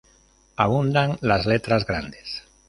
Abundan las letras grandes.